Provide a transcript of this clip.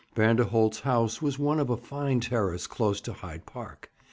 Vanderholt's house was one of a fine terrace close to Hyde Park.